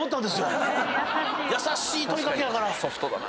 優しい問い掛けやから。